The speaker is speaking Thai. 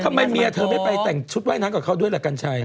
ทำไมเมียเธอไม่ไปแต่งชุดว่ายน้ำกับเขาด้วยล่ะกัญชัย